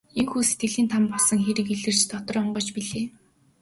Ийнхүү сэтгэлийн там болсон хэрэг илэрч дотор онгойж билээ.